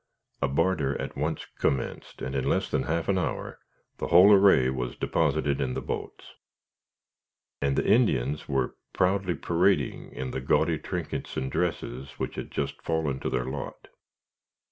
A barter at once commenced, and in less than half an hour the whole array was deposited in the boats, and the Indians were proudly parading in the gaudy trinkets and dresses which had just fallen to their lot.